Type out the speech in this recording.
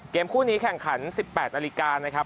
คู่นี้แข่งขัน๑๘นาฬิกานะครับ